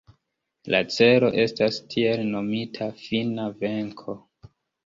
La celo estas tiel nomita fina venko.